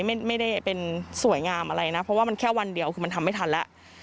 ไม่ได้เป็นสวยงามอะไรนะเพราะว่ามันแค่วันเดียวคือมันทำไม่ทันแล้ว